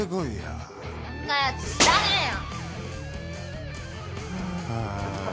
そんなやつ知らねえよ。